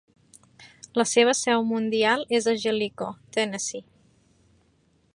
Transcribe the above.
La seva seu mundial és a Jellico, Tennessee.